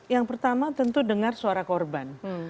yang pertama tentu dengar suara korban